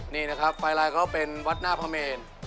นี่นะครับไฟลายเขาเป็นวัดหน้าพระเมน